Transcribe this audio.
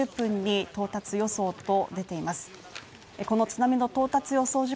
この津波の到達予想